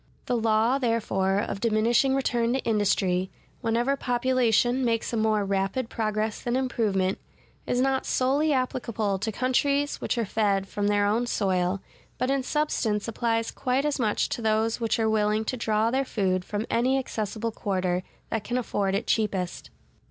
The law, therefore, of diminishing return to industry, whenever population makes a more rapid progress than improvement, is not solely applicable to countries which are fed from their own soil, but in substance applies quite as much to those which are willing to draw their food from any accessible quarter that can afford it cheapest.